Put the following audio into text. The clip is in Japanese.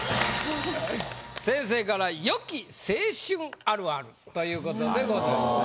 先生から「良き青春あるある」という事でございました。